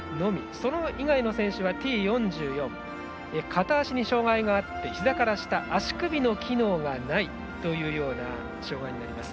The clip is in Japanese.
それ以外の選手はＴ４４片足に障がいがあってひざから下足首の機能がないというような障害になります。